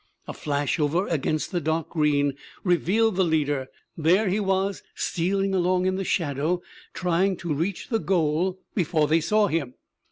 A flash over against the dark green revealed the leader. There he was, stealing along in the shadow, trying to reach the goal before they saw him.